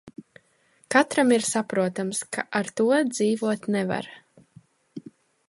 Katram ir saprotams, ka ar to dzīvot nevar.